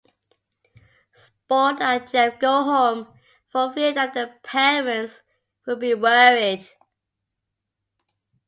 Sport and Jeb go home, for fear that their parents will be worried.